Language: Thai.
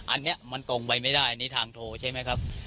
อันนี้มันตรงไปไม่ได้อันนี้ทางโทรใช่ไหมครับ